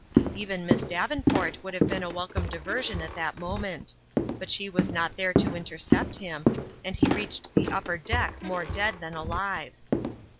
Even Miss Davenport would have been a welcome diversion at that moment; but she was not there to intercept him, and he reached the upper deck more dead than alive.